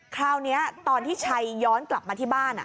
คราวนี้ตอนที่ชัยย้อนกลับมาที่บ้าน